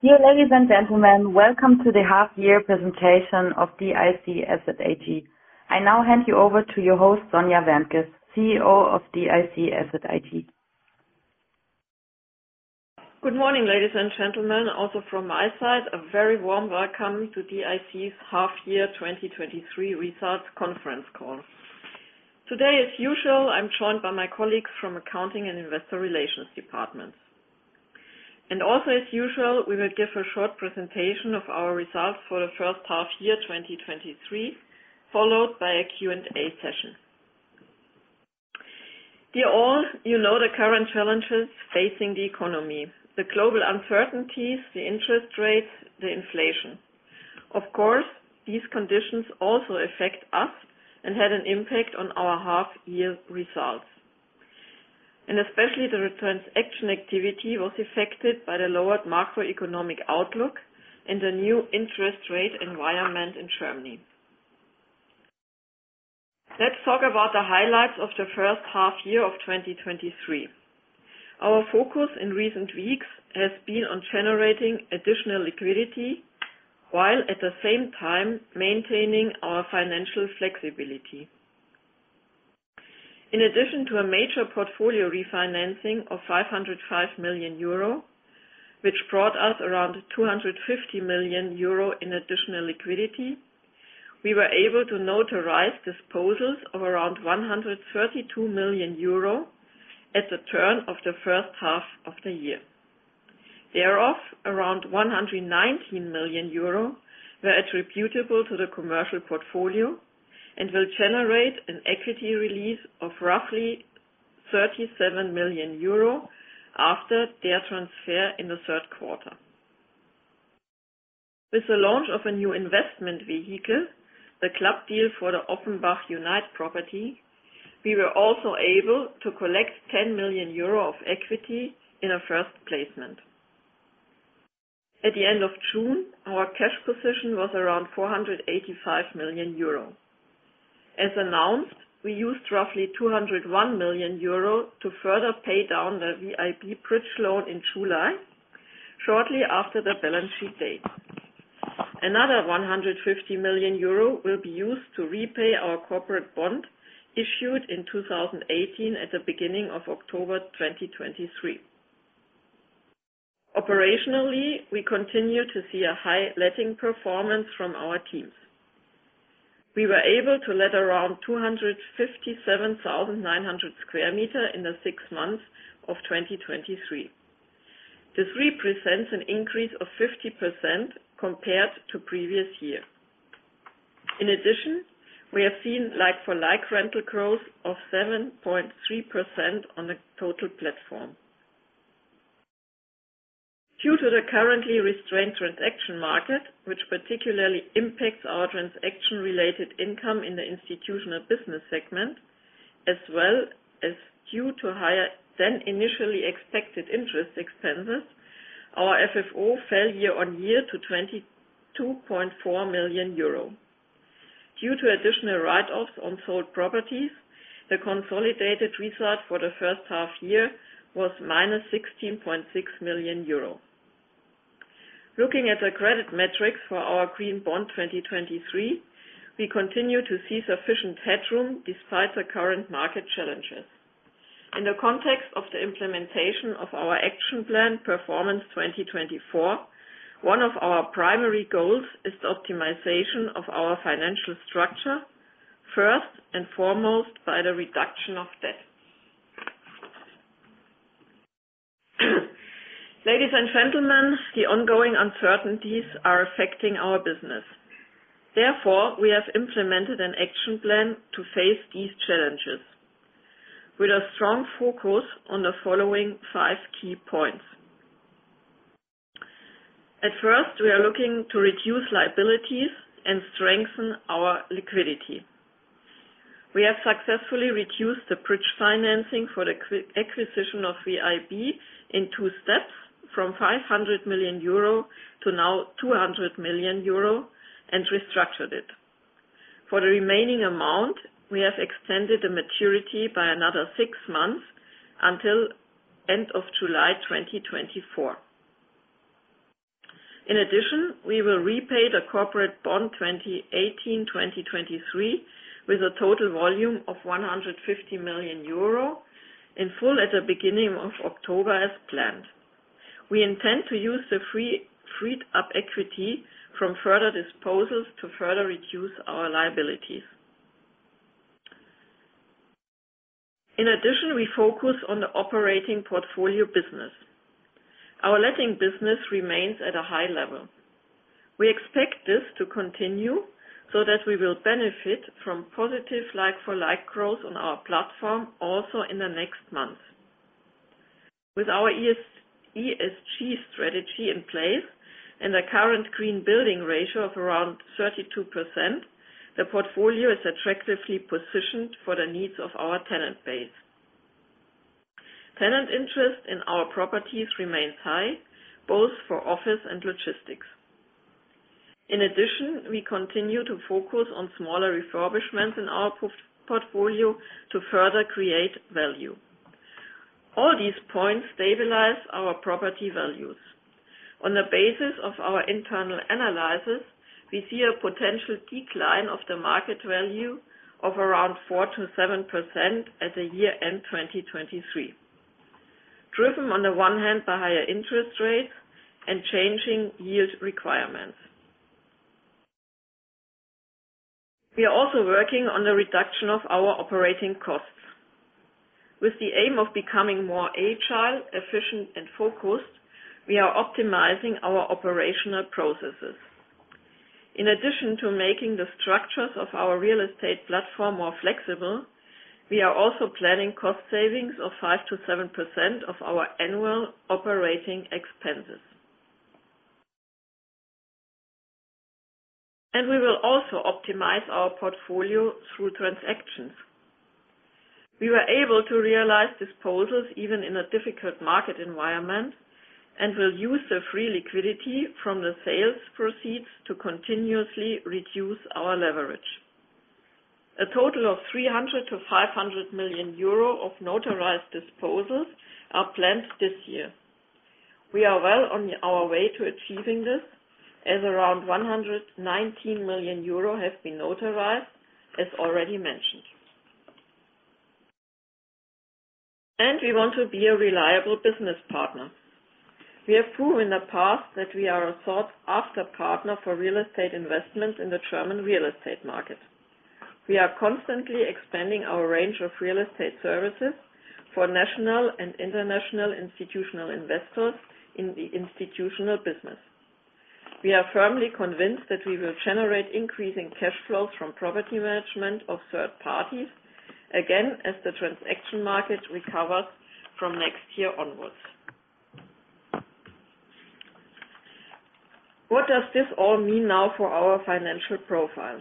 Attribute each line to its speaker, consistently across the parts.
Speaker 1: Dear ladies and gentlemen, welcome to the half year presentation of DIC Asset AG. I now hand you over to your host, Sonja Wärntges, CEO of DIC Asset AG.
Speaker 2: Good morning, ladies and gentlemen. Also, from my side, a very warm welcome to DIC half-year 2023 results conference call. Today, as usual, I'm joined by my colleagues from accounting and Investor Relations departments. Also, as usual, we will give a short presentation of our results for the first half-year, 2023, followed by a Q&A session. Dear all, you know the current challenges facing the economy, the global uncertainties, the interest rates, the inflation. Of course, these conditions also affect us and had an impact on our half-year results. Especially the transaction activity was affected by the lowered macroeconomic outlook and the new interest rate environment in Germany. Let's talk about the highlights of the first half-year of 2023. Our focus in recent weeks has been on generating additional liquidity, while at the same time maintaining our financial flexibility. In addition to a major portfolio refinancing of 505 million euro, which brought us around 250 million euro in additional liquidity, we were able to notarize disposals of around 132 million euro at the turn of the first half of the year. Thereof, around 119 million euro were attributable to the Commercial Portfolio and will generate an equity release of roughly 37 million euro after their transfer in the third quarter. With the launch of a new investment vehicle, the club deal for the Offenbach Unite property, we were also able to collect 10 million euro of equity in a first placement. At the end of June, our cash position was around 485 million euro. As announced, we used roughly 201 million euro to further pay down the VIB Bridge Loan in July, shortly after the balance sheet date. Another 150 million euro will be used to repay our corporate bond, issued in 2018 at the beginning of October 2023. Operationally, we continue to see a high letting performance from our teams. We were able to let around 257,900 sq m in the six months of 2023. This represents an increase of 50% compared to previous year. In addition, we have seen like-for-like rental growth of 7.3% on the total platform. Due to the currently restrained transaction market, which particularly impacts our transaction-related income in the Institutional Business segment, as well as due to higher than initially expected interest expenses, our FFO fell year-on-year to 22.4 million euro. Due to additional write-offs on sold properties, the consolidated result for the first half year was -16.6 million euro. Looking at the credit metrics for our Green Bond 2023, we continue to see sufficient headroom despite the current market challenges. In the context of the implementation of our action plan, Performance 2024, one of our primary goals is the optimization of our financial structure, first and foremost, by the reduction of debt. Ladies and gentlemen, the ongoing uncertainties are affecting our business. Therefore, we have implemented an action plan to face these challenges, with a strong focus on the following five key points. We are looking to reduce liabilities and strengthen our liquidity. We have successfully reduced the bridge financing for the acquisition of VIB in two steps, from 500 million euro to now 200 million euro and restructured it. For the remaining amount, we have extended the maturity by another six months until end of July 2024. We will repay the corporate bond 2018, 2023, with a total volume of 150 million euro in full at the beginning of October as planned. We intend to use the freed-up equity from further disposals to further reduce our liabilities. We focus on the operating portfolio business. Our letting business remains at a high level. We expect this to continue so that we will benefit from positive like-for-like growth on our platform also in the next month. With our ES, ESG strategy in place and the current green building ratio of around 32%, the portfolio is attractively positioned for the needs of our tenant base. Tenant interest in our properties remains high, both for office and logistics. In addition, we continue to focus on smaller refurbishments in our portfolio to further create value. All these points stabilize our property values. On the basis of our internal analysis, we see a potential decline of the market value of around 4%-7% at the year end, 2023, driven on the one hand by higher interest rates and changing yield requirements. We are also working on the reduction of our operating costs. With the aim of becoming more agile, efficient, and focused, we are optimizing our operational processes. In addition to making the structures of our real estate platform more flexible, we are also planning cost savings of 5%-7% of our annual operating expenses. We will also optimize our portfolio through transactions. We were able to realize disposals even in a difficult market environment, and will use the free liquidity from the sales proceeds to continuously reduce our leverage. A total of 300 million-500 million euro of notarized disposals are planned this year. We are well on our way to achieving this, as around 119 million euro have been notarized, as already mentioned. We want to be a reliable business partner. We have proven in the past that we are a sought-after partner for real estate investments in the German real estate market. We are constantly expanding our range of real estate services for national and international institutional investors in the Institutional Business. We are firmly convinced that we will generate increasing cash flows from property management of third parties, again, as the transaction market recovers from next year onwards. What does this all mean now for our financial profile?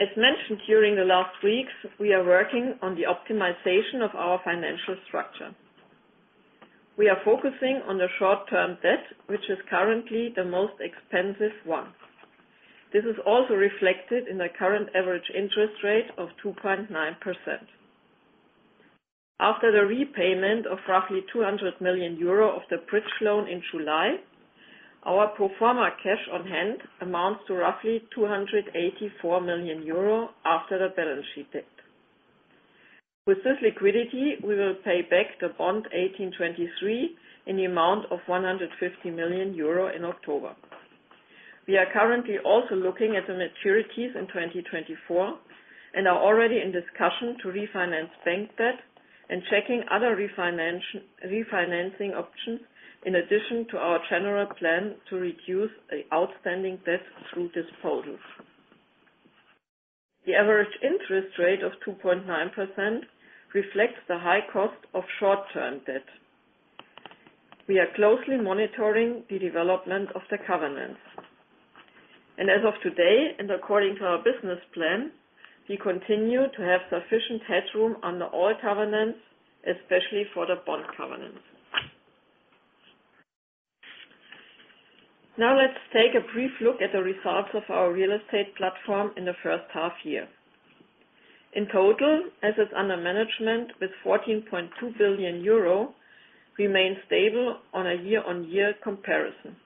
Speaker 2: As mentioned during the last weeks, we are working on the optimization of our financial structure. We are focusing on the short-term debt, which is currently the most expensive one. This is also reflected in the current average interest rate of 2.9%. After the repayment of roughly 200 million euro of the Bridge Loan in July, our pro forma cash on hand amounts to roughly 284 million euro after the balance sheet date. With this liquidity, we will pay back the Bond 18/23 in the amount of 150 million euro in October. We are currently also looking at the maturities in 2024, are already in discussion to refinance bank debt and checking other refinancing options, in addition to our general plan to reduce the outstanding debt through disposals. The average interest rate of 2.9% reflects the high cost of short-term debt. We are closely monitoring the development of the covenants. As of today, and according to our business plan, we continue to have sufficient headroom under all covenants, especially for the bond covenants. Now, let's take a brief look at the results of our real estate platform in the first half year. In total, assets under management with 14.2 billion euro, remain stable on a year-on-year comparison.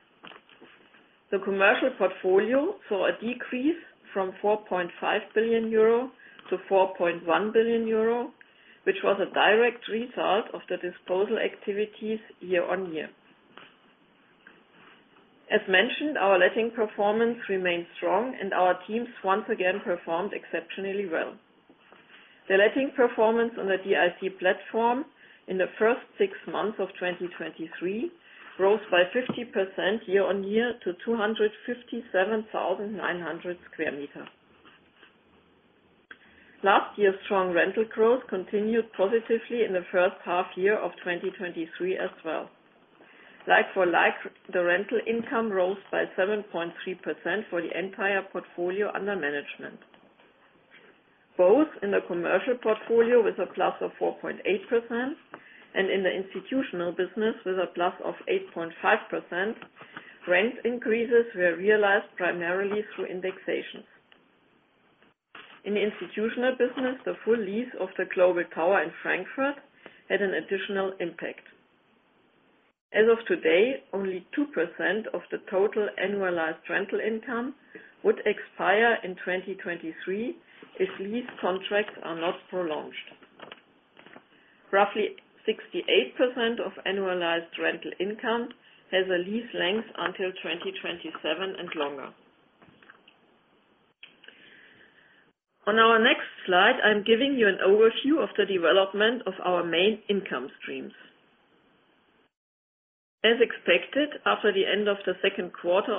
Speaker 2: The Commercial Portfolio saw a decrease from 4.5 billion-4.1 billion euro, which was a direct result of the disposal activities year-on-year. As mentioned, our letting performance remains strong, and our teams once again performed exceptionally well. The letting performance on the DIC platform in the first six months of 2023, rose by 50% year-on-year to 257,900 sq m. Last year's strong rental growth continued positively in the first half year of 2023 as well. Like-for-like, the rental income rose by 7.3% for the entire portfolio under management. Both in the Commercial Portfolio, with a plus of 4.8%, and in the Institutional Business, with a plus of 8.5%, rent increases were realized primarily through indexations. In the Institutional Business, the full lease of the Global Tower in Frankfurt had an additional impact. As of today, only 2% of the total annualized rental income would expire in 2023, if lease contracts are not prolonged. Roughly 68% of annualized rental income has a lease length until 2027 and longer. On our next slide, I'm giving you an overview of the development of our main income streams. As expected, after the end of the second quarter,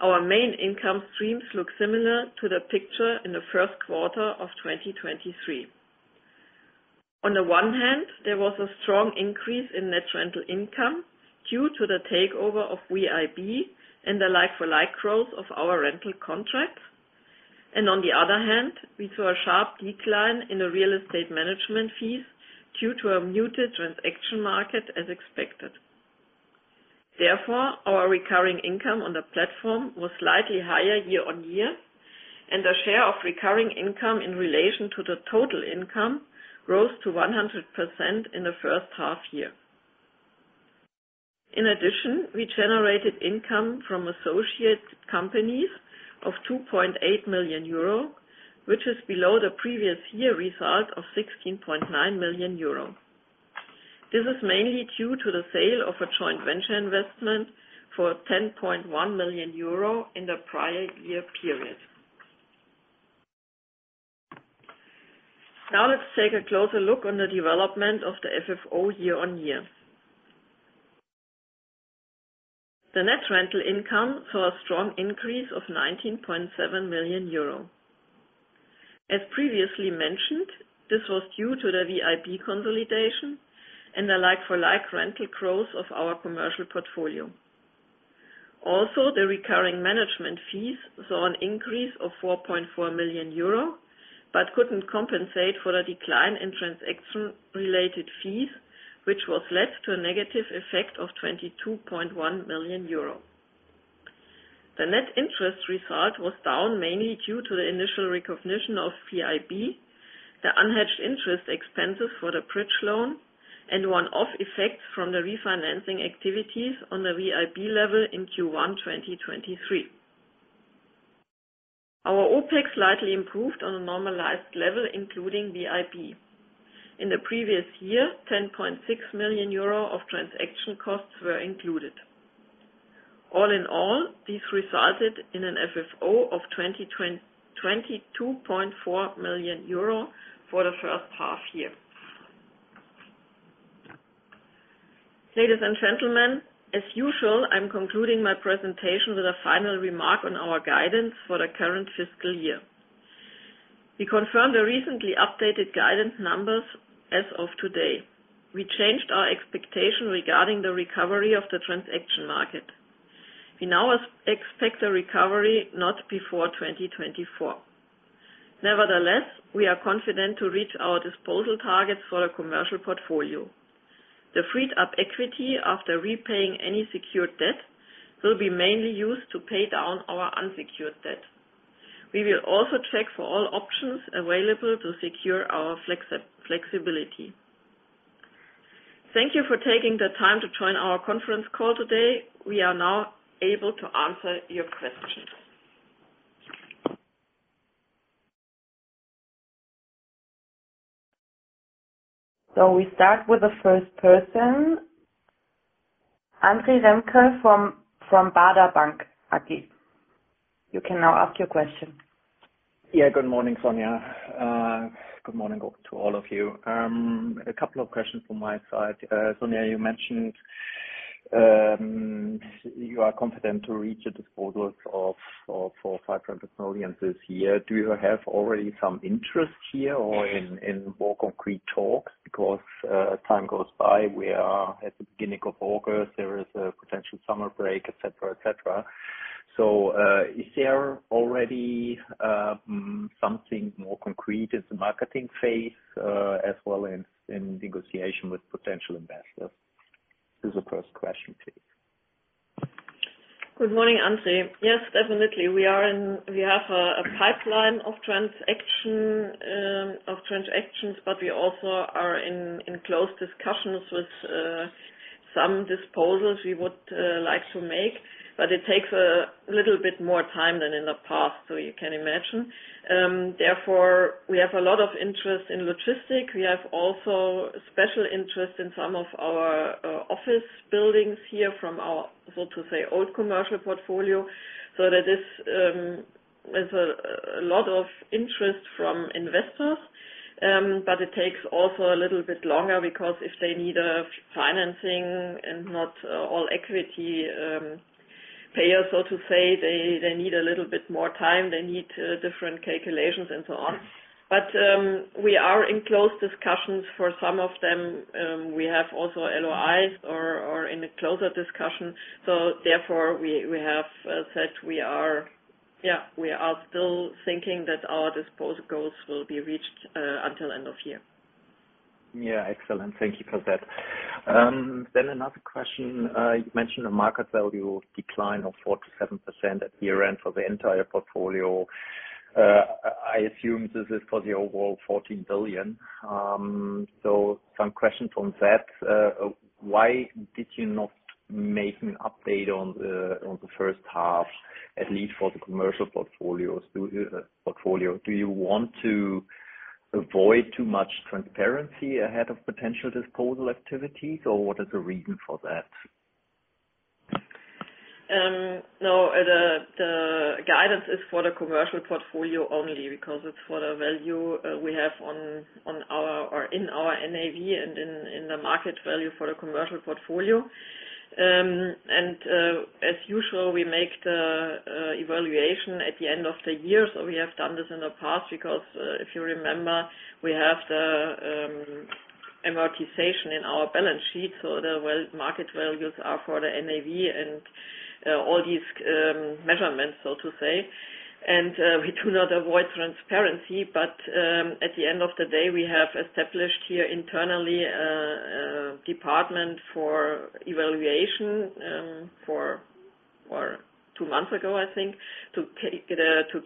Speaker 2: our main income streams look similar to the picture in the first quarter of 2023. On the one hand, there was a strong increase in net rental income due to the takeover of VIB and the like-for-like growth of our rental contracts.... On the other hand, we saw a sharp decline in the real estate management fees due to a muted transaction market as expected. Our recurring income on the platform was slightly higher year-over-year, and the share of recurring income in relation to the total income rose to 100% in the first half year. We generated income from associate companies of 2.8 million euro, which is below the previous year result of 16.9 million euro. This is mainly due to the sale of a joint venture investment for 10.1 million euro in the prior year period. Let's take a closer look on the development of the FFO year-over-year. The net rental income saw a strong increase of 19.7 million euro. As previously mentioned, this was due to the VIB consolidation and the like-for-like rental growth of our Commercial Portfolio. The recurring management fees saw an increase of 4.4 million euro, but couldn't compensate for the decline in transaction-related fees, which was led to a negative effect of 22.1 million euro. The net interest result was down, mainly due to the initial recognition of VIB, the unhedged interest expenses for the Bridge Loan, and one-off effects from the refinancing activities on the VIB level in Q1 2023. Our OpEx slightly improved on a normalized level, including VIB. In the previous year, 10.6 million euro of transaction costs were included. All in all, this resulted in an FFO of 22.4 million euro for the first half year. Ladies and gentlemen, as usual, I'm concluding my presentation with a final remark on our guidance for the current fiscal year. We confirmed the recently updated guidance numbers as of today. We changed our expectation regarding the recovery of the transaction market. We now expect a recovery not before 2024. Nevertheless, we are confident to reach our disposal targets for the Commercial Portfolio. The freed-up equity after repaying any secured debt, will be mainly used to pay down our unsecured debt. We will also check for all options available to secure our flexibility. Thank you for taking the time to join our conference call today. We are now able to answer your questions.
Speaker 1: we start with the first person, Andre Remke from Baader Bank AG. You can now ask your question.
Speaker 3: Yeah. Good morning, Sonja. Good morning to all of you. A couple of questions from my side. Sonja, you mentioned, you are confident to reach a disposal of 400-500 million this year. Do you have already some interest here or more concrete talks? Because time goes by, we are at the beginning of August, there is a potential summer break, et cetera, et cetera. So, is there already something more concrete in the marketing phase, as well as in negotiation with potential investors? This is the first question, please.
Speaker 2: Good morning, Andre. Yes, definitely. We are in, we have a pipeline of transaction, of transactions, but we also are in close discussions with some disposals we would like to make, but it takes a little bit more time than in the past, so you can imagine. Therefore, we have a lot of interest in logistics. We have also special interest in some of our office buildings here from our, so to say, old Commercial Portfolio. So there is, there's a lot of interest from investors, but it takes also a little bit longer because if they need a financing and not all equity payer, so to say, they need a little bit more time, they need different calculations and so on. We are in close discussions for some of them, we have also LOIs or in a closer discussion. Therefore, we have said we are still thinking that our disposal goals will be reached until end of year.
Speaker 3: Yeah, excellent. Thank you for that. Another question. You mentioned a market value decline of 4%-7% at year-end for the entire portfolio. I assume this is for the overall 14 billion. Some questions on that. Why did you not make an update on the, on the first half, at least for the Commercial Portfolios, portfolio? Do you want to avoid too much transparency ahead of potential disposal activities, or what is the reason for that?
Speaker 2: No, the guidance is for the Commercial Portfolio only because it's for the value we have on, on our, or in our NAV and in, in the market value for the Commercial Portfolio. As usual, we make the evaluation at the end of the year. We have done this in the past because, if you remember, we have the amortization in our balance sheet, so the well, market values are for the NAV and all these measurements, so to say. We do not avoid transparency, but at the end of the day, we have established here internally a department for evaluation for or two months ago, I think, to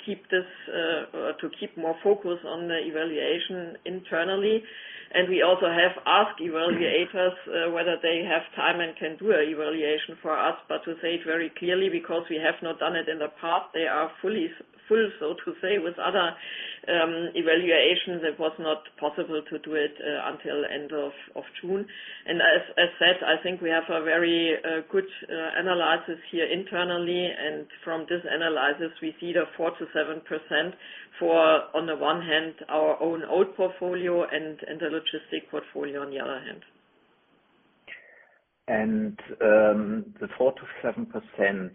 Speaker 2: keep this to keep more focus on the evaluation internally. We also have asked evaluators whether they have time and can do a evaluation for us. To say it very clearly, because we have not done it in the past, they are fully full, so to say, with other evaluations, it was not possible to do it until end of June. As said, I think we have a very good analysis here internally, and from this analysis we see the 4%-7% for, on the one hand, our own old portfolio and the logistic portfolio, on the other hand.
Speaker 3: The 4%-7%,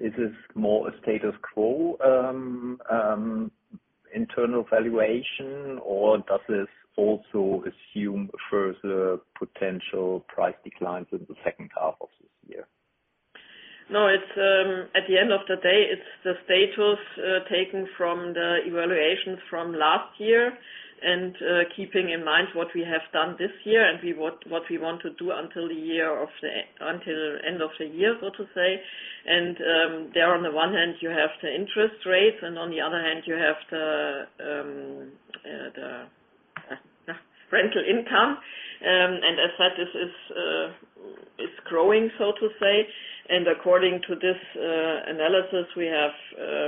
Speaker 3: is this more a status quo internal valuation, or does this also assume further potential price declines in the second half of this year?
Speaker 2: No, it's at the end of the day, it's the status taken from the evaluations from last year and, keeping in mind what we have done this year and we want to do until the end of the year, so to say. There, on the one hand, you have the interest rates, and on the other hand, you have the rental income. As said, this is growing, so to say. According to this analysis, we have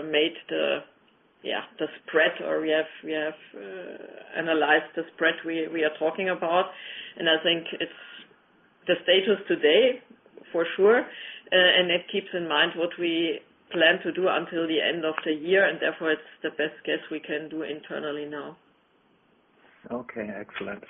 Speaker 2: made the, yeah, the spread, or we have analyzed the spread we are talking about. I think it's the status today, for sure. It keeps in mind what we plan to do until the end of the year, and therefore it's the best guess we can do internally now.
Speaker 3: Okay, excellent.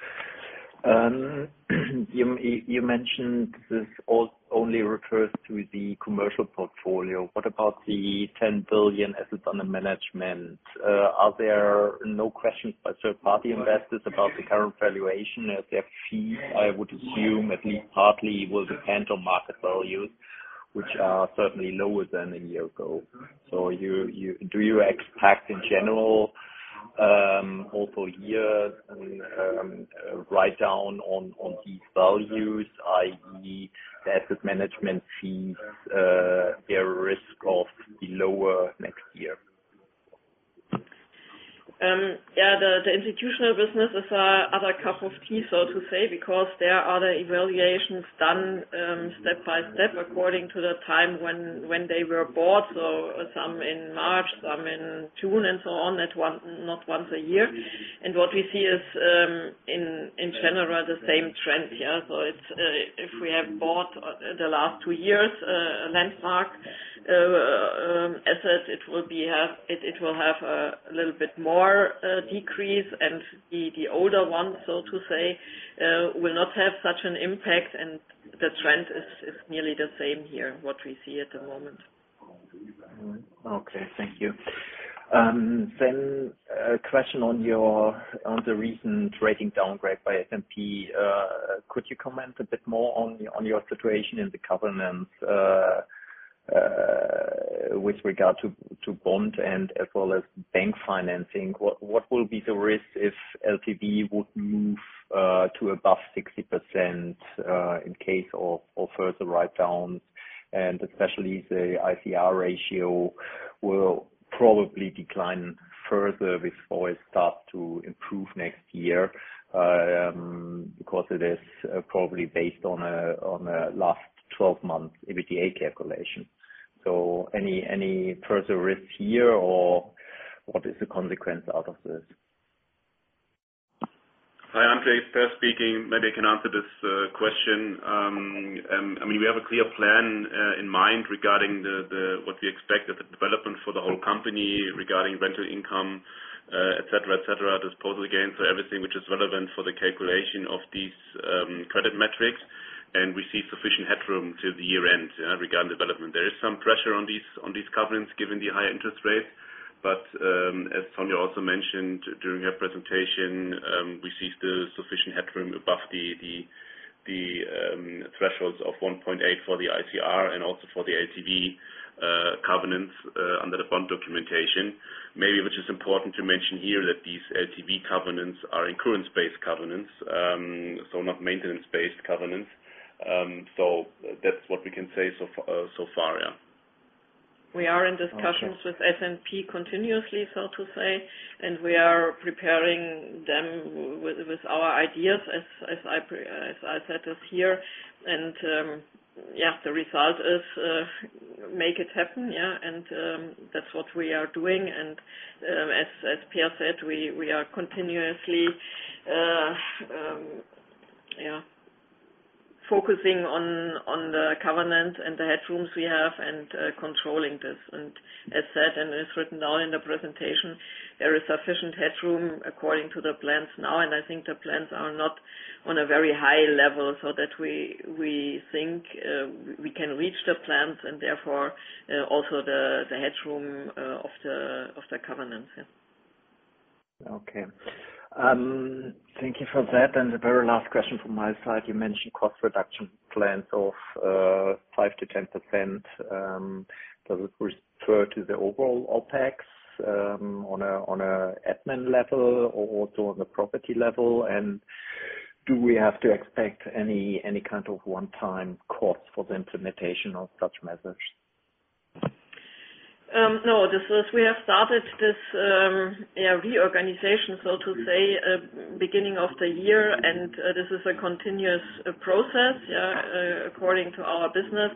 Speaker 3: You mentioned this only refers to the Commercial Portfolio. What about the 10 billion assets under management? Are there no questions by third-party investors about the current valuation? As their fees, I would assume at least partly will depend on market values, which are certainly lower than 1 year ago. Do you expect, in general, over years, write down on these values, i.e., the asset management fees, their risk of be lower next year?
Speaker 2: The, the Institutional Business is a, other cup of tea, so to say, because there are other evaluations done, step by step, according to the time when, when they were bought. Some in March, some in June, and so on, at one, not once a year. What we see is, in, in general, the same trend. It's, if we have bought the last two years, a landmark, asset, it will be have, it, it will have a, a little bit more, decrease, and the, the older ones, so to say, will not have such an impact, and the trend is, is nearly the same here, what we see at the moment.
Speaker 3: Mm-hmm. Okay, thank you. A question on your, on the recent rating downgrade by S&P. Could you comment a bit more on, on your situation in the covenants with regard to, to bond and as well as bank financing? What, what will be the risk if LTV would move to above 60% in case of, of further write downs? Especially the ICR ratio will probably decline further before it starts to improve next year because it is probably based on a, on a last 12-month EBITDA calculation. Any, any further risks here, or what is the consequence out of this?
Speaker 4: Hi, Andre, Peer speaking. Maybe I can answer this question. I mean, we have a clear plan in mind regarding the, the, what we expect as a development for the whole company, regarding rental income, et cetera, et cetera, disposal gains, so everything which is relevant for the calculation of these credit metrics. We see sufficient headroom till the year-end regarding development. There is some pressure on these, on these covenants, given the high interest rates. As Sonja also mentioned during her presentation, we see still sufficient headroom above the, the, the thresholds of 1.8 for the ICR and also for the LTV covenants under the bond documentation. Maybe, which is important to mention here, that these LTV covenants are incurrence-based covenants, so not maintenance-based covenants. That's what we can say so far, yeah.
Speaker 2: We are in discussions-
Speaker 3: Okay.
Speaker 2: with S&P continuously, so to say, and we are preparing them with, with our ideas, as I said, is here. Yeah, the result is, make it happen, yeah. That's what we are doing. As Peer said, we are continuously, yeah, focusing on the covenants and the headrooms we have and controlling this. As said, and it's written down in the presentation, there is sufficient headroom according to the plans now, and I think the plans are not on a very high level, so that we think we can reach the plans and therefore also the headroom of the covenants, yeah.
Speaker 3: Okay. Thank you for that. The very last question from my side, you mentioned cost reduction plans of 5%-10%. Does it refer to the overall OpEx, on a admin level or also on the property level? Do we have to expect any, any kind of one-time costs for the implementation of such measures?
Speaker 2: No. This is, we have started this reorganization, so to say, beginning of the year, and this is a continuous process according to our business.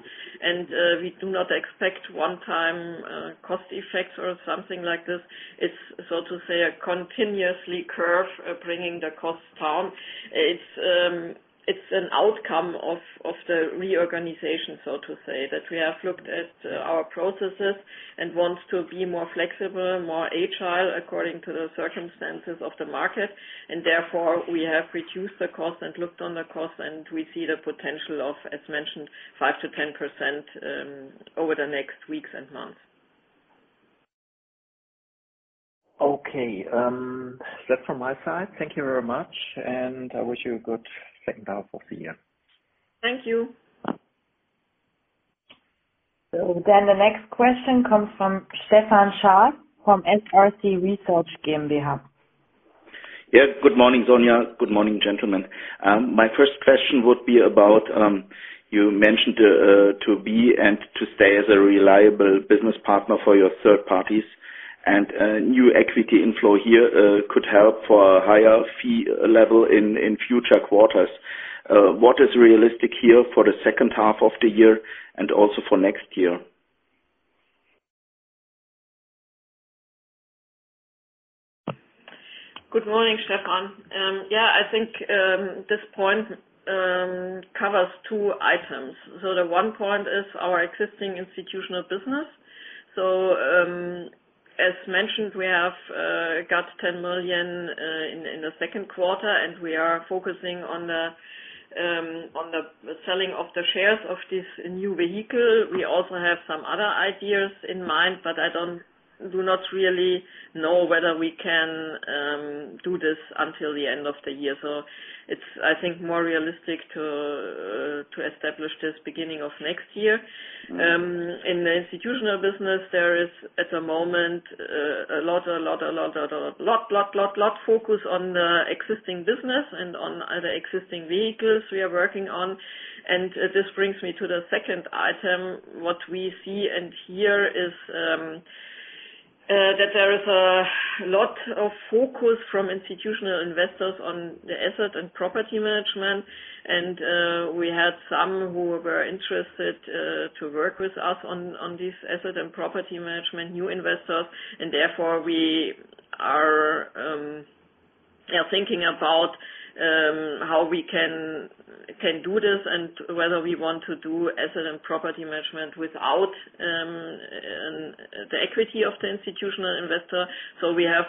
Speaker 2: We do not expect one-time cost effects or something like this. It's, so to say, a continuously curve bringing the costs down. It's, it's an outcome of, of the reorganization, so to say. That we have looked at our processes and wants to be more flexible, more agile, according to the circumstances of the market, and therefore, we have reduced the cost and looked on the cost, and we see the potential of, as mentioned, 5%-10% over the next weeks and months.
Speaker 3: Okay. That's from my side. Thank you very much. I wish you a good second half of the year.
Speaker 2: Thank you.
Speaker 1: The next question comes from Stefan Scharff, from SRC Research GmbH.
Speaker 5: Yeah. Good morning, Sonja. Good morning, gentlemen. My first question would be about, you mentioned, to be and to stay as a reliable business partner for your third parties, and, new equity inflow here, could help for a higher fee level in, in future quarters. What is realistic here for the second half of the year and also for next year?
Speaker 2: Good morning, Stefan. I think this point covers two items. The one point is our existing Institutional Business. As mentioned, we have got 10 million in the second quarter, and we are focusing on the selling of the shares of this new vehicle. We also have some other ideas in mind, but I do not really know whether we can do this until the end of the year. It's, I think, more realistic to establish this beginning of next year. In the Institutional Business, there is, at the moment, a lot of focus on the existing business and on other existing vehicles we are working on. This brings me to the second item. What we see and hear is that there is a lot of focus from institutional investors on the asset and property management. We had some who were interested to work with us on, on this asset and property management, new investors. Therefore, we are, yeah, thinking about how we can, can do this and whether we want to do asset and property management without the equity of the institutional investor. We have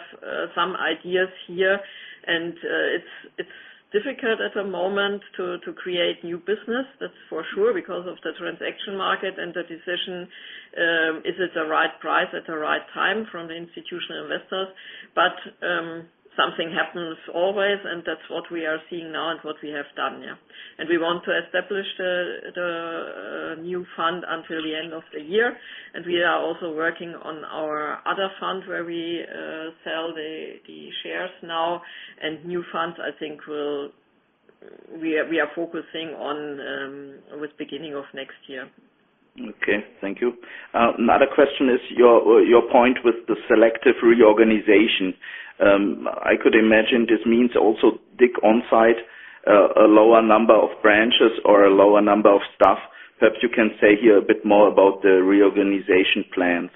Speaker 2: some ideas here, and it's, it's difficult at the moment to, to create new business. That's for sure, because of the transaction market and the decision, is it the right price at the right time from the institutional investors? Something happens always, and that's what we are seeing now and what we have done, yeah. We want to establish the, the, new fund until the end of the year. We are also working on our other fund, where we sell the, the shares now. New funds, I think, will, we are focusing on with beginning of next year.
Speaker 5: Okay, thank you. another question is your, your point with the selective reorganization. I could imagine this means also DIC, a lower number of branches or a lower number of staff. Perhaps you can say here a bit more about the reorganization plans.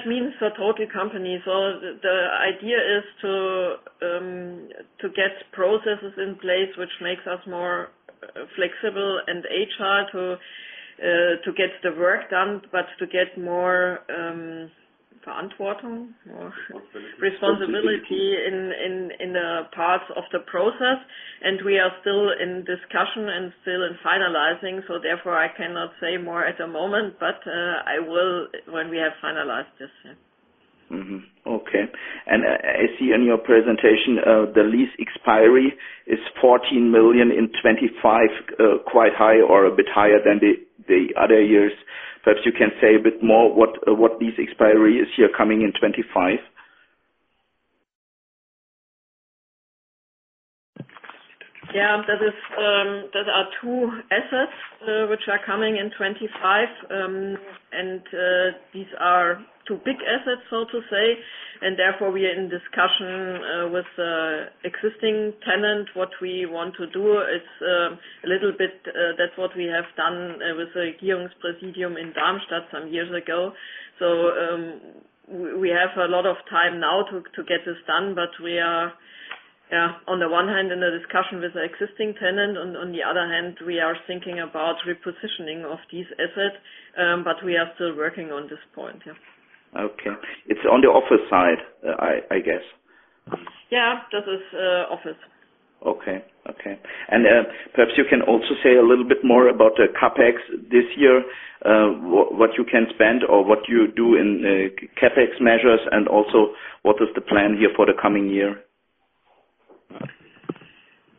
Speaker 2: It means the total company. The, the idea is to get processes in place, which makes us more flexible and agile to get the work done, but to get more responsibility in, in, in the parts of the process. We are still in discussion and still in finalizing, so therefore, I cannot say more at the moment, but I will when we have finalized this.
Speaker 5: Okay. I, I see in your presentation, the lease expiry is 14 million in 2025, quite high or a bit higher than the other years. Perhaps you can say a bit more what, what these expiry is here coming in 2025?
Speaker 2: Yeah. That is, there are two assets which are coming in 2025. These are two big assets, so to say, and therefore, we are in discussion with the existing tenant. What we want to do is a little bit, that's what we have done with the Regierungspräsidium Darmstadt some years ago. We have a lot of time now to get this done, but we are, yeah, on the one hand, in a discussion with the existing tenant, on the other hand, we are thinking about repositioning of this asset, but we are still working on this point. Yeah.
Speaker 5: Okay. It's on the office side, I, I guess?
Speaker 2: Yeah, this is, office.
Speaker 5: Okay, okay. Perhaps you can also say a little bit more about the CapEx this year, what you can spend or what you do in CapEx measures, and also what is the plan here for the coming year?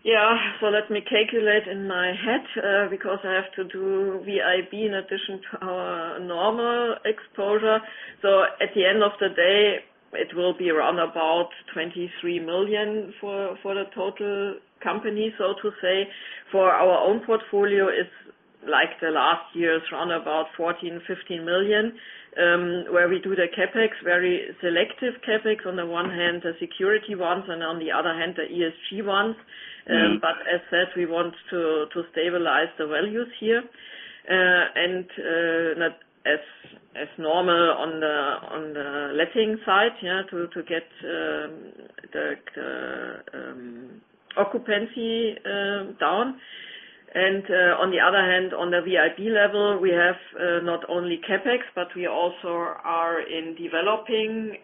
Speaker 2: Yeah. Let me calculate in my head, because I have to do VIB in addition to our normal exposure. At the end of the day, it will be around about 23 million for the total company, so to say. For our own portfolio, it's like the last year's around about 14 million-15 million, where we do the CapEx, very selective CapEx, on the one hand, the security ones, and on the other hand, the ESG ones.
Speaker 5: Mm.
Speaker 2: As said, we want to stabilize the values here, and not as normal on the letting side, to get the occupancy down. On the other hand, on the VIB level, we have not only CapEx, but we also are in developing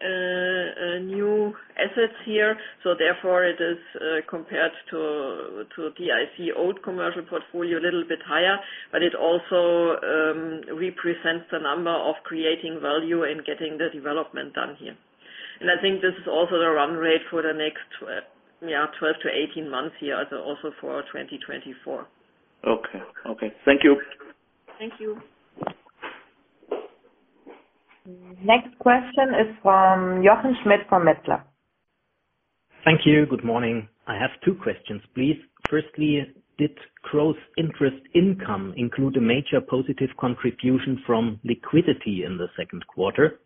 Speaker 2: new assets here. Therefore, it is compared to DIC old Commercial Portfolio, a little bit higher, but it also represents the number of creating value and getting the development done here. I think this is also the run rate for the next 12-18 months here, also for 2024.
Speaker 5: Okay. Okay. Thank you.
Speaker 2: Thank you.
Speaker 1: Next question is from Jochen Schmitt, from Metzler.
Speaker 6: Thank you. Good morning. I have two questions, please. Firstly, did gross interest income include a major positive contribution from liquidity in the second quarter?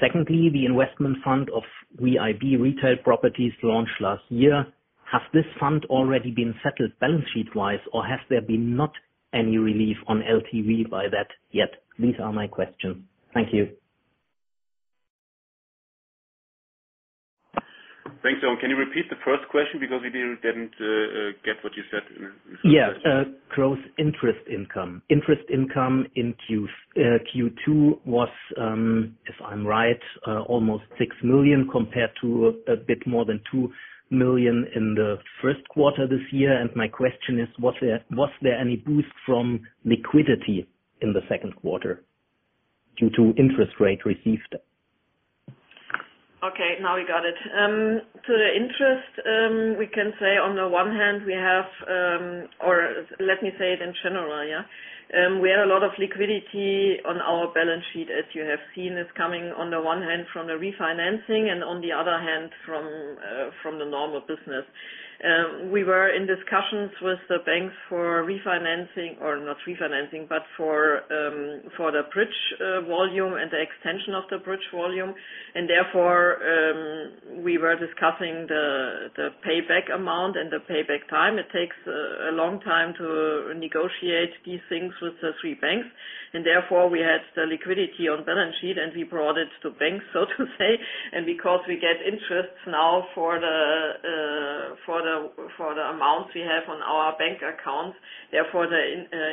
Speaker 6: Secondly, the investment fund of VIB Retail Properties launched last year. Has this fund already been settled balance sheet-wise, or has there been not any relief on LTV by that yet? These are my questions. Thank you.
Speaker 4: Thanks, Jochen. Can you repeat the first question because we didn't, didn't get what you said in the first question?
Speaker 6: Yeah. gross interest income. Interest income in Q Q2 was, if I'm right, almost 6 million, compared to a bit more than 2 million in the first quarter this year. My question is: Was there, was there any boost from liquidity in the second quarter due to interest rate received?
Speaker 2: Okay, now we got it. The interest, we can say on the one hand, we have, or let me say it in general, yeah. We have a lot of liquidity on our balance sheet, as you have seen, is coming on the one hand from the refinancing and on the other hand, from the normal business. We were in discussions with the banks for refinancing, or not refinancing, but for the bridge volume and the extension of the bridge volume. Therefore, we were discussing the payback amount and the payback time. It takes a long time to negotiate these things with the three banks, therefore, we had the liquidity on balance sheet, and we brought it to banks, so to say. Because we get interests now for the for the for the amounts we have on our bank account, therefore the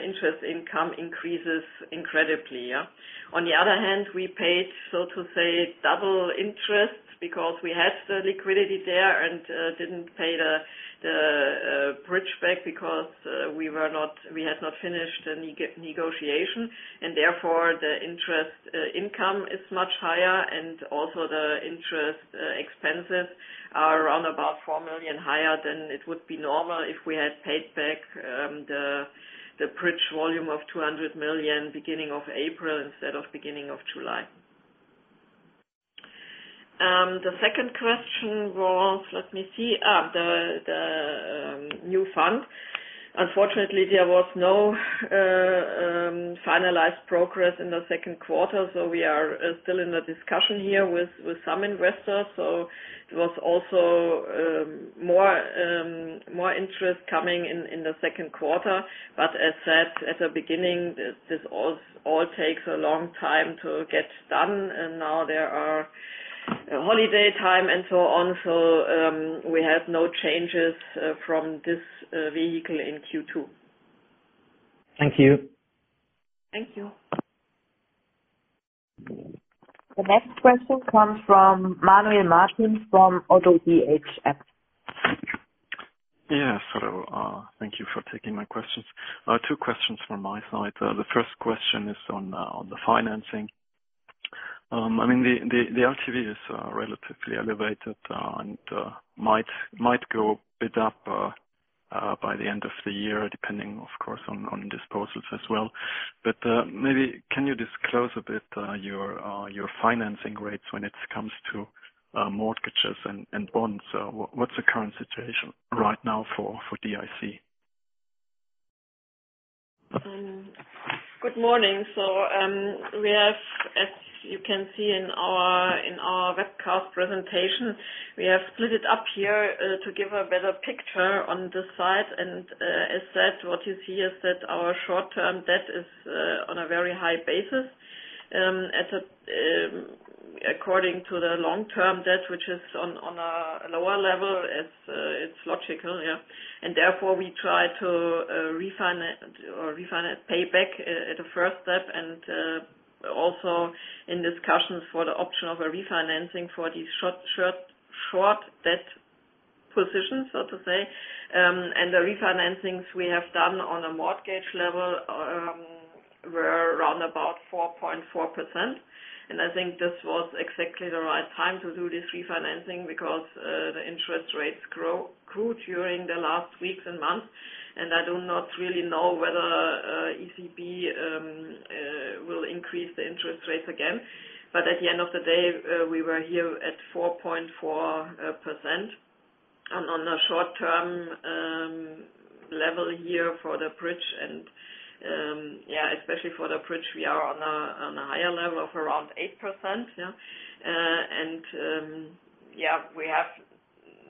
Speaker 2: interest income increases incredibly, yeah. On the other hand, we paid, so to say, double interest because we had the liquidity there and didn't pay the the bridge back because we were not we had not finished the negotiation, and therefore, the interest income is much higher, and also the interest expenses are around about 4 million higher than it would be normal if we had paid back the the bridge volume of 200 million, beginning of April, instead of beginning of July. The second question was, let me see, the the new fund. Unfortunately, there was no finalized progress in the second quarter. We are still in the discussion here with, with some investors. There was also more more interest coming in, in the second quarter. As said at the beginning, this, this all, all takes a long time to get done, and now there are holiday time and so on. We have no changes from this vehicle in Q2.
Speaker 6: Thank you.
Speaker 2: Thank you.
Speaker 1: The next question comes from Manuel Martin, from ODDO BHF.
Speaker 7: Yeah, hello. Thank you for taking my questions. Two questions from my side. The first question is on, on the financing. I mean, the, the, the LTV is relatively elevated, and might, might go a bit up by the end of the year, depending, of course, on, on disposals as well. But, maybe can you disclose a bit your, your financing rates when it comes to mortgages and, and bonds? What's the current situation right now for, for DIC?
Speaker 2: Good morning. We have, as you can see in our, in our webcast presentation, we have split it up here, to give a better picture on this side. As said, what you see is that our short-term debt is on a very high basis, as a, according to the long-term debt, which is on, on a lower level, as it's logical, yeah. Therefore, we try to refinance or refinance, pay back at, at the first step, and also in discussions for the option of a refinancing for the short, short, short debt-... position, so to say. The refinancings we have done on a mortgage level, were around about 4.4%. I think this was exactly the right time to do this refinancing because the interest rates grow, grew during the last weeks and months, and I do not really know whether ECB will increase the interest rates again. At the end of the day, we were here at 4.4%. On the short term level here for the bridge and, especially for the bridge, we are on a higher level of around 8%. We have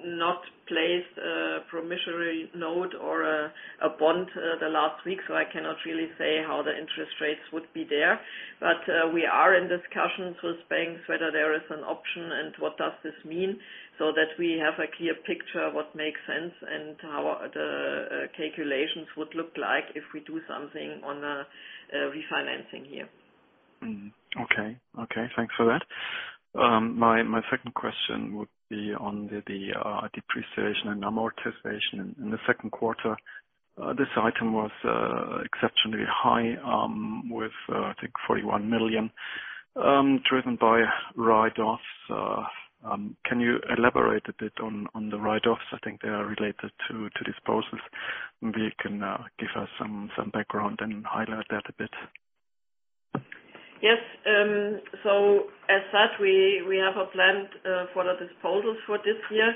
Speaker 2: not placed a promissory note or a bond the last week, so I cannot really say how the interest rates would be there. We are in discussions with banks, whether there is an option and what does this mean, so that we have a clear picture of what makes sense and how the calculations would look like if we do something on refinancing here.
Speaker 7: Mm. Okay. Okay, thanks for that. My, my second question would be on the depreciation and amortization in the second quarter. This item was exceptionally high, with, I think 41 million, driven by write-offs. Can you elaborate a bit on the write-offs? I think they are related to disposals. Maybe you can give us some background and highlight that a bit.
Speaker 2: Yes. As such, we, we have a plan for the disposals for this year.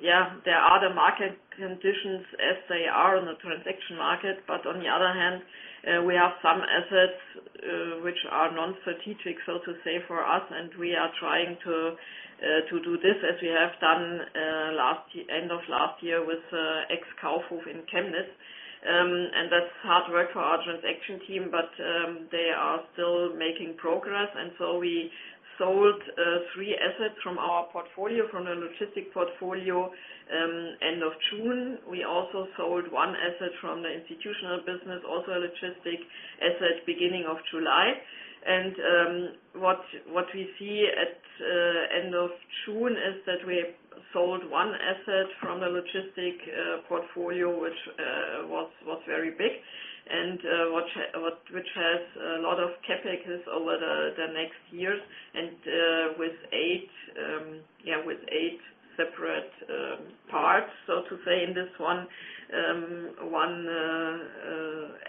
Speaker 2: Yeah, there are the market conditions as they are on the transaction market. On the other hand, we have some assets which are non-strategic, so to say, for us, and we are trying to do this as we have done end of last year with ex-Kaufhof in Chemnitz. That's hard work for our transaction team, but they are still making progress. We sold three assets from our portfolio, from the logistic portfolio, end of June. We also sold one asset from the Institutional Business, also a logistic asset, beginning of July. What, what we see at end of June is that we sold one asset from the logistic portfolio, which was, was very big and which has a lot of CapEx over the next years. With eight, yeah, with eight separate parts, so to say, in this one, one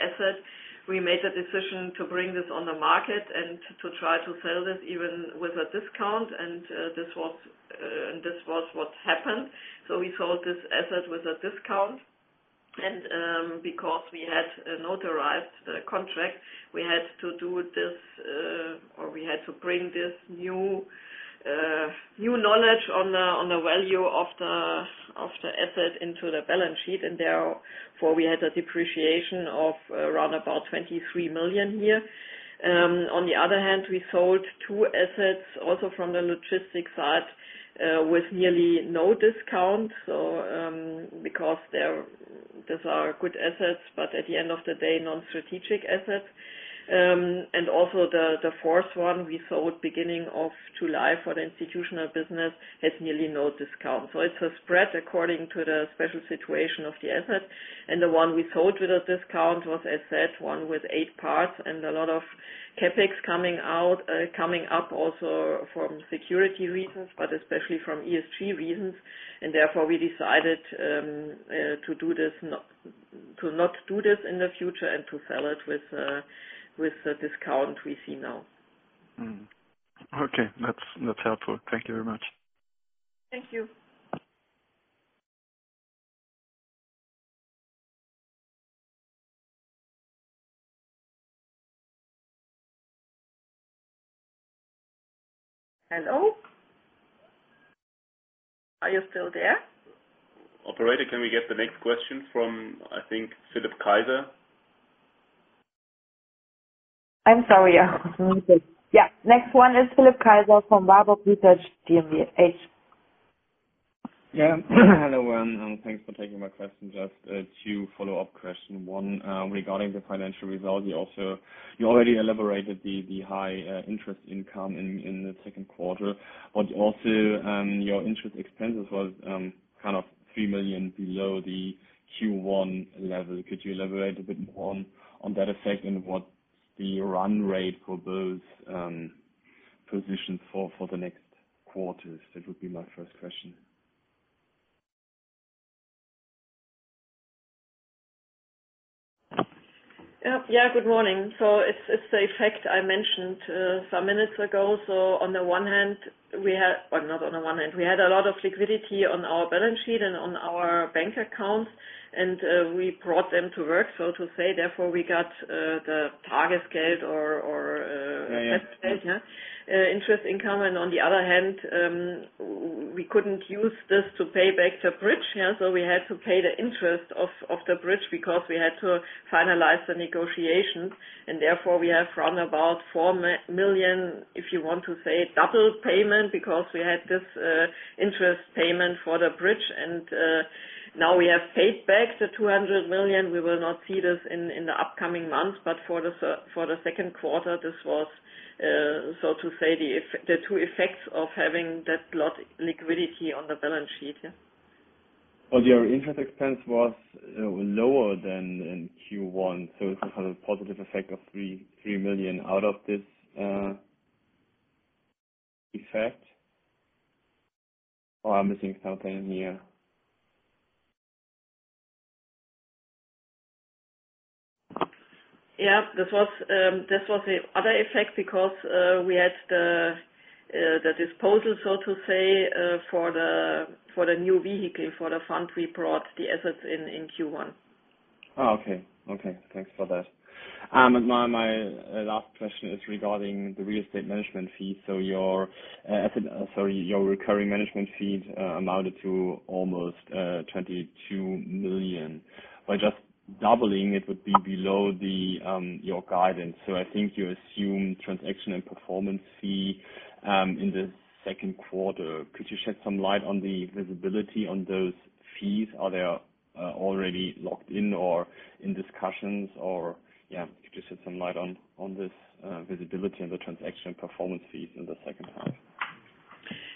Speaker 2: asset. We made a decision to bring this on the market and to try to sell this even with a discount. This was, and this was what happened. We sold this asset with a discount. Because we had a notarized contract, we had to do this or we had to bring this new new knowledge on the value of the asset into the balance sheet. Therefore, we had a depreciation of around about 23 million here. On the other hand, we sold two assets, also from the logistics side, with nearly no discount. Because those are good assets, but at the end of the day, non-strategic assets. Also the, the fourth one we sold beginning of July for the Institutional Business, has nearly no discount. It's a spread according to the special situation of the asset. The one we sold with a discount was, I said, one with eight parts and a lot of CapEx coming out, coming up also from security reasons, but especially from ESG reasons. Therefore, we decided to do this, to not do this in the future and to sell it with a, with a discount we see now.
Speaker 7: Okay, that's helpful. Thank you very much.
Speaker 2: Thank you. Hello? Are you still there?
Speaker 4: Operator, can we get the next question from, I think, Philipp Kaiser?
Speaker 1: I'm sorry, yeah. Yeah. Next one is Philipp Kaiser from Warburg Research GmbH.
Speaker 8: Yeah. Hello, thanks for taking my question. Just two follow-up question. One, regarding the financial result. You already elaborated the high interest income in the second quarter, but also, your interest expenses was kind of 3 million below the Q1 level. Could you elaborate a bit more on that effect and what the run rate for those positions for the next quarters? That would be my first question.
Speaker 2: Yeah, good morning. It's, it's the effect I mentioned, some minutes ago. On the one hand, we had, well, not on the one hand, we had a lot of liquidity on our balance sheet and on our bank accounts, and, we brought them to work, so to say. Therefore, we got, the target scale or, or.
Speaker 8: Yeah.
Speaker 2: Interest income. On the other hand, we couldn't use this to pay back the bridge. We had to pay the interest of, of the bridge because we had to finalize the negotiation, therefore, we have run about 4 million, if you want to say, double payment, because we had this interest payment for the bridge. Now we have paid back the 200 million. We will not see this in, in the upcoming months, for the second quarter, this was so to say, the two effects of having that lot liquidity on the balance sheet.
Speaker 8: Your interest expense was lower than in Q1, so it's a kind of positive effect of 3 million out of this effect. I'm missing something here?
Speaker 2: This was the other effect because, we had the, the disposal, so to say, for the, for the new vehicle, for the fund we brought the assets in, in Q1.
Speaker 8: Oh, okay. Okay, thanks for that. My, my last question is regarding the real estate management fee. Your asset, sorry, your recurring management fee amounted to almost 22 million. By just doubling, it would be below the your guidance. I think you assume transaction and performance fee in the second quarter. Could you shed some light on the visibility on those fees? Are they already locked in or in discussions or, yeah, could you shed some light on, on this visibility on the transaction performance fees in the second half?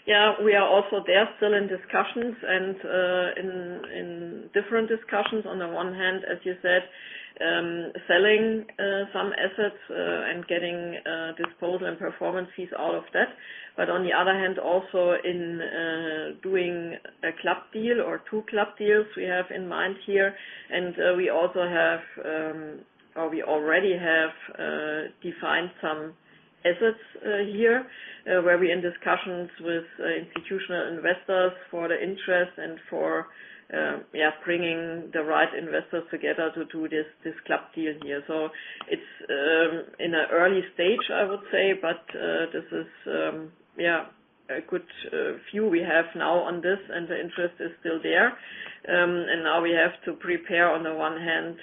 Speaker 2: Yeah, we are also there still in discussions and in, in different discussions. On the one hand, as you said, selling some assets and getting disposal and performance fees out of that. On the other hand, also in doing a club deal or two club deals we have in mind here. We also have, or we already have, defined some assets here, where we're in discussions with institutional investors for the interest and for, yeah, bringing the right investors together to do this, this club deal here. It's in an early stage, I would say, but this is, yeah, a good view we have now on this, the interest is still there. Now we have to prepare on the one hand,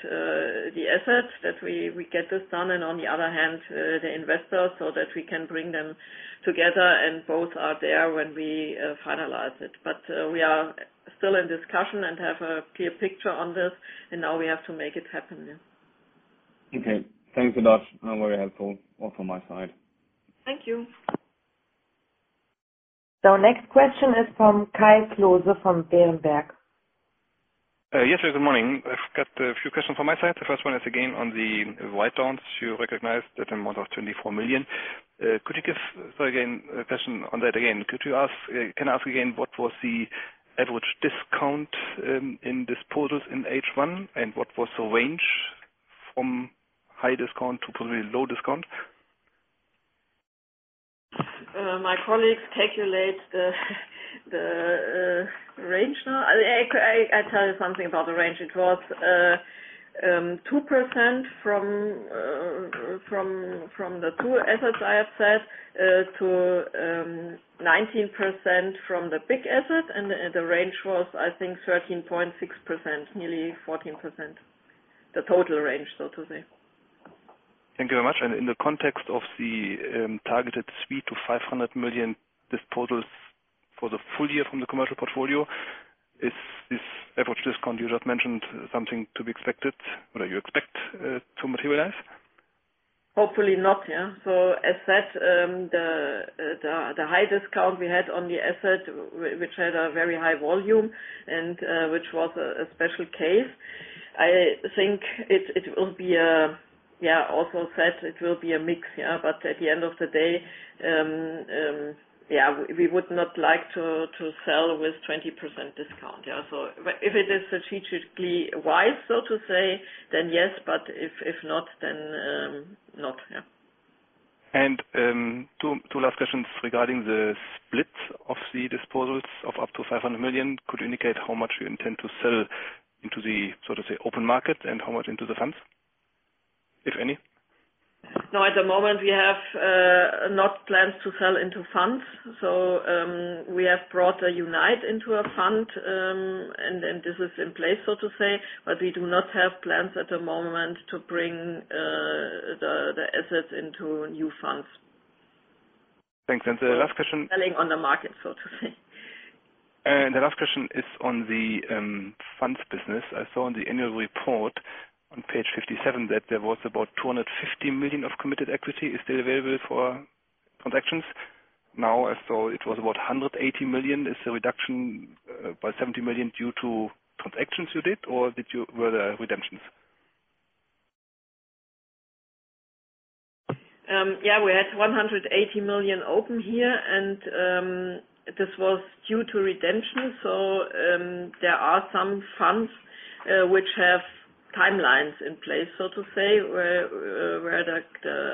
Speaker 2: the assets that we, we get this done, and on the other hand, the investors, so that we can bring them together and both are there when we, finalize it. We are still in discussion and have a clear picture on this, and now we have to make it happen, yeah.
Speaker 8: Okay, thanks a lot. Very helpful. All from my side.
Speaker 2: Thank you.
Speaker 1: Next question is from Kai Klose, from Berenberg.
Speaker 9: Yes, good morning. I've got a few questions from my side. The first one is, again, on the write-downs. You recognize that amount of 24 million. Could you give, so again, a question on that again, could you ask, can I ask again, what was the average discount in disposals in H1, and what was the range from high discount to probably low discount?
Speaker 2: My colleagues calculate the range now. I tell you something about the range. It was 2% from the two assets I have said, to 19% from the big asset, and the range was, I think, 13.6%, nearly 14%. The total range, so to say.
Speaker 9: Thank you very much. In the context of the targeted 300 million-500 million disposals for the full year from the Commercial Portfolio, is this average discount you just mentioned something to be expected or you expect to materialize?
Speaker 2: Hopefully not, yeah. As said, the high discount we had on the asset, which had a very high volume and which was a special case, I think it will be a, yeah, also said it will be a mix, yeah. At the end of the day, yeah, we would not like to sell with 20% discount, yeah. If it is strategically wise, so to say, then yes, but if, if not, then not, yeah.
Speaker 9: Two last questions regarding the split of the disposals of up to 500 million. Could you indicate how much you intend to sell into the, so to say, open market, and how much into the funds, if any?
Speaker 2: No, at the moment, we have, not plans to sell into funds. We have brought a Unite into a fund, and then this is in place, so to say, but we do not have plans at the moment to bring, the, the assets into new funds.
Speaker 9: Thanks. The last question.
Speaker 2: Selling on the market, so to say.
Speaker 9: The last question is on the funds business. I saw in the annual report on page 57, that there was about 250 million of committed equity is still available for transactions. Now, I saw it was about 180 million. Is the reduction by 70 million due to transactions you did, or did you, were there redemptions?
Speaker 2: Yeah, we had 180 million open here. This was due to redemption. There are some funds which have timelines in place, so to say, where the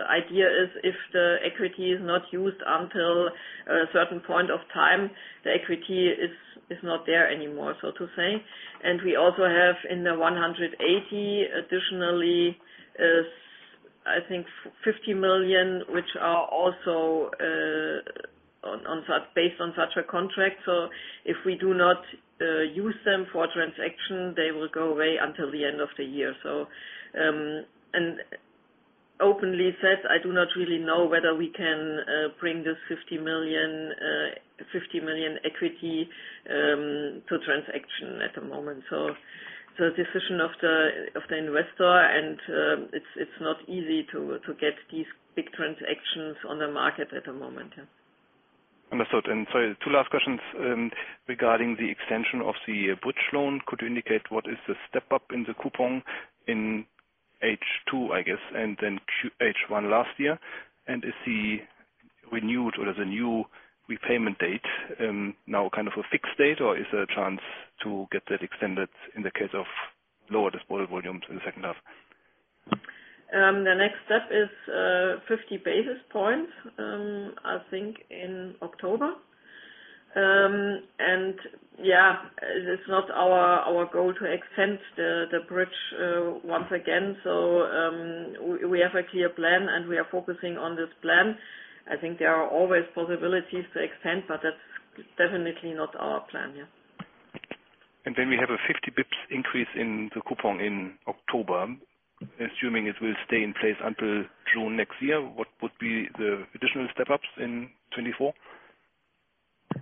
Speaker 2: idea is if the equity is not used until a certain point of time, the equity is not there anymore, so to say. We also have in the 180 million, additionally, I think 50 million, which are also on such, based on such a contract. If we do not use them for transaction, they will go away until the end of the year. Openly said, I do not really know whether we can bring this 50 million, 50 million equity to transaction at the moment. So decision of the, of the investor and it's, it's not easy to, to get these big transactions on the market at the moment.
Speaker 9: Understood. Two last questions regarding the extension of the Bridge Loan. Could you indicate what is the step-up in the coupon in H2, I guess, and then H1 last year? Is the renewed or the new repayment date now kind of a fixed date, or is there a chance to get that extended in the case of lower disposable volume to the second half?
Speaker 2: The next step is 50 basis points, I think in October. Yeah, it's not our, our goal to extend the bridge once again. We have a clear plan and we are focusing on this plan. I think there are always possibilities to extend, but that's definitely not our plan. Yeah.
Speaker 9: Then we have a 50 basis points increase in the coupon in October. Assuming it will stay in place until June next year, what would be the additional step-ups in 2024?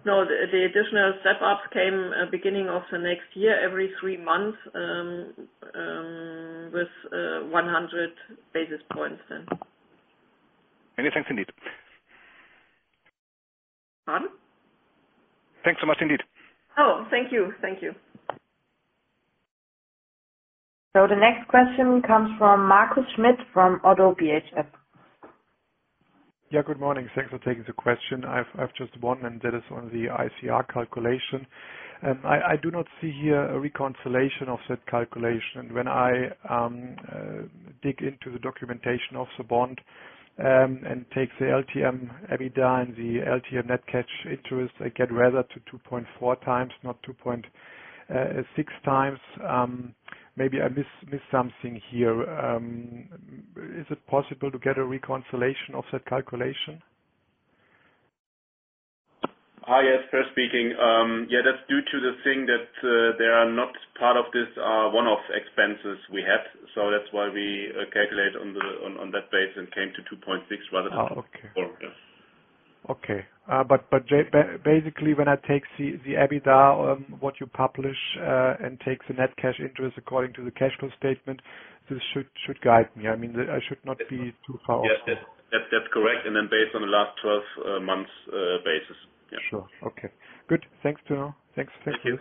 Speaker 2: No, the, the additional step-ups came, beginning of the next year, every three months, with 100 basis points then.
Speaker 9: Many thanks, indeed.
Speaker 2: Pardon?
Speaker 9: Thanks so much, indeed.
Speaker 2: Oh, thank you. Thank you.
Speaker 1: The next question comes from Markus Schmitt, from ODDO BHF.
Speaker 10: Good morning. Thanks for taking the question. I've just one, and that is on the ICR calculation. I do not see here a reconciliation of that calculation. When I dig into the documentation of the bond, and take the LTM EBITDA, and the LTM net cash interest, I get rather to 2.4x, not 2.6x. Maybe I miss something here. Is it possible to get a reconciliation of that calculation?
Speaker 4: Ah, yes, Peer speaking. Yeah, that's due to the thing that they are not part of this one-off expenses we had. That's why we calculate on the that base and came to 2.6 rather than-
Speaker 10: Oh, okay.
Speaker 4: four. Yes.
Speaker 10: Okay. Basically, when I take the EBITDA, what you publish, and take the net cash interest according to the cash flow statement, this should guide me. I mean, I should not be too far off.
Speaker 4: Yes, that's, that's correct, and then based on the last 12 months basis. Yeah.
Speaker 10: Sure. Okay. Good. Thanks to know. Thanks. Thank you.
Speaker 4: Thank you.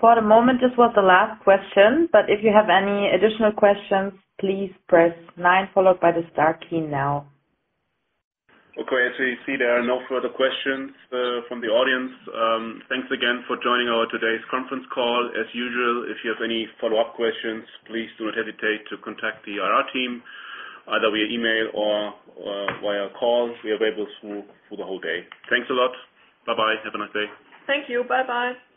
Speaker 1: For the moment, this was the last question, but if you have any additional questions, please press nine followed by the star key now.
Speaker 4: Okay, as we see, there are no further questions from the audience. Thanks again for joining our today's conference call. As usual, if you have any follow-up questions, please do not hesitate to contact the IR team, either via email or via call. We are available through the whole day. Thanks a lot. Bye-bye. Have a nice day.
Speaker 2: Thank you. Bye-bye.